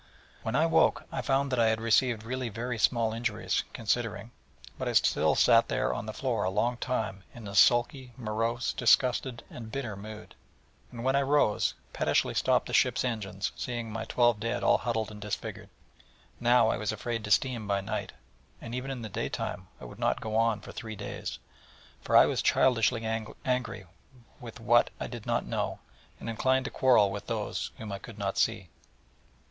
When I woke, I found that I had received really very small injuries, considering: but I sat there on the floor a long time in a sulky, morose, disgusted, and bitter mood; and when I rose, pettishly stopped the ship's engines, seeing my twelve dead all huddled and disfigured. Now I was afraid to steam by night, and even in the daytime I would not go on for three days: for I was childishly angry with I know not what, and inclined to quarrel with Those whom I could not see.